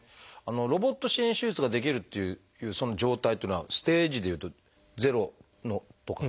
ロボット支援手術ができるっていうその状態っていうのはステージでいうと０のとか？